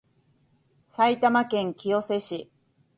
埼玉県清瀬市